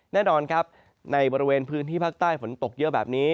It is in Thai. แน่นอนครับในบริเวณพื้นที่ภาคใต้ฝนตกเยอะแบบนี้